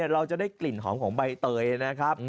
เราจะได้กลิ่นหอมของใบเตยนะครับ